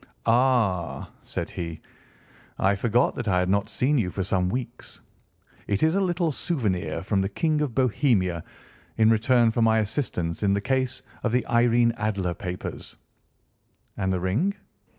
"Ah," said he, "I forgot that I had not seen you for some weeks. It is a little souvenir from the King of Bohemia in return for my assistance in the case of the Irene Adler papers." "And the ring?"